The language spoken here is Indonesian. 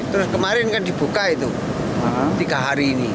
terus kemarin kan dibuka itu tiga hari ini